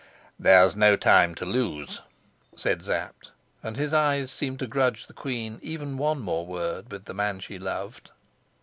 "There's no time to lose," said Sapt, and his eye seemed to grudge the queen even one more word with the man she loved.